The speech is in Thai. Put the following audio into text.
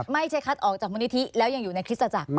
ไม่ใช่คัดออกจากมูลนิธิแล้วยังอยู่ในคริสตจักร